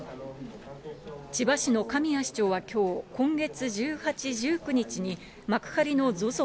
千葉市の神谷市長はきょう、今月１８、１９日に幕張のＺＯＺＯ